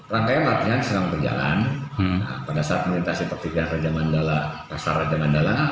rangkaian latihan sedang berjalan pada saat melintasi pertigaan raja mandala pasar raja mandala